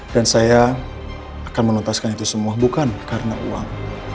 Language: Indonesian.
dan saya akan menuntaskan itu semua bukan karena uang